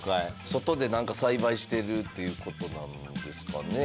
外でなんか栽培してるっていう事なんですかね？